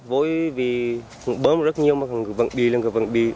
vôi vì bớm rất nhiều mà vẫn đi vẫn đi